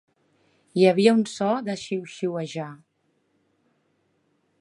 Hi havia un so de xiuxiuejar.